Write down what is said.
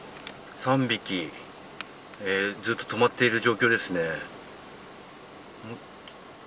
３匹、ずっと止まっている状況ですね。